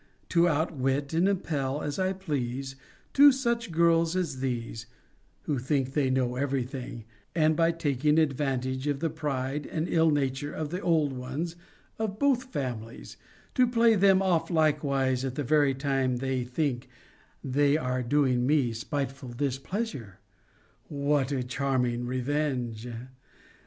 To outwit, and impel, as I please, two such girls as these, who think they know every thing; and, by taking advantage of the pride and ill nature of the old ones of both families, to play them off likewise at the very time they think they are doing me spiteful displeasure; what charming revenge!